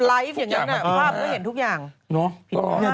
ไลฟ์อย่างนั้นอะภาพเขาเห็นทุกอย่าง